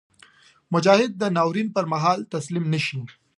مجاهد د ناورین پر مهال تسلیم نهشي.